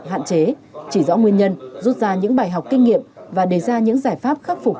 hạn chế chỉ rõ nguyên nhân rút ra những bài học kinh nghiệm và đề ra những giải pháp khắc phục